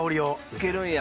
つけるんや！